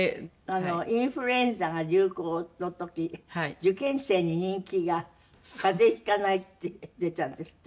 インフルエンザが流行の時受験生に人気が「風邪引かない」って言ってたんですって？